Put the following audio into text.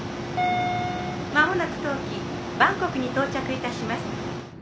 間もなく当機バンコクに到着いたします。